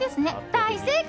大正解！